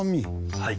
はい。